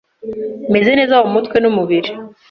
meze neza mu mutwe n'umubiri